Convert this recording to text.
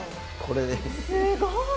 すごい。